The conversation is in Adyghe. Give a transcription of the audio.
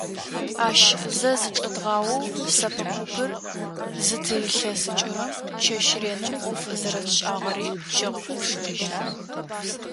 Ащ зэ зычӏэдгъаоу, сэпэ купыр зытырилъэсыкӏырэм, чэщ реным ӏоф зэрэтшӏагъэри тщегъэгъупшэжьы.